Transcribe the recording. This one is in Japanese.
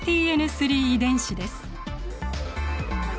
３遺伝子です。